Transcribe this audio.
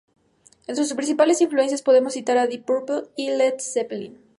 Entre sus principales influencias podemos citar a Deep Purple y Led Zeppelin.